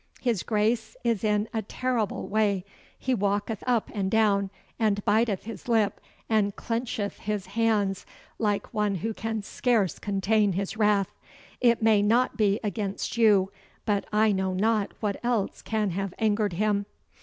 His Grace is in a terrible way. He walketh up and down, and biteth his lip, and clencheth his hands like one who can scarce contain his wrath. It may not be against you, but I know not what else can have angered him.